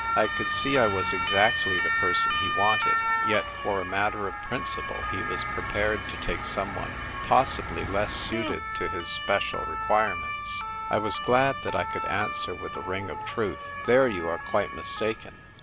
I could see I was exactly the person he wanted ; yet for a matter of principle he was prepared to take someone possibly less suited to his special re quirements. I was glad that I could answer with the ring of truth, " There, you are quite mistaken.